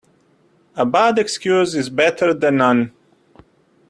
A bad excuse is better then none.